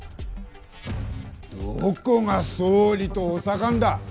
どこが総理と補佐官だ。